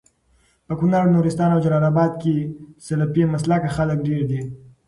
په کونړ، نورستان او جلال اباد کي سلفي مسلکه خلک ډير دي